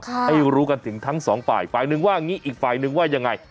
ให้รู้กันถึงทั้งสองฝ่ายฝ่ายหนึ่งว่างี้อีกฝ่ายนึงว่ายังไง